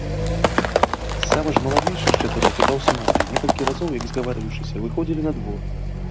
Самы ж маладзейшы з чатырох і таўсматы некалькі разоў, як згаварыўшыся, выходзілі на двор.